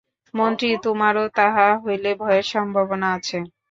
মন্ত্রী, তোমারও তাহা হইলে ভয়ের সম্ভাবনা আছে।